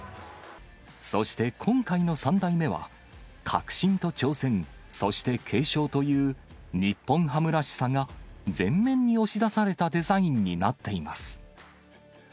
そして今回の３代目は、革新と挑戦、そして継承という、日本ハムらしさが前面に押し出されたデザインになっています。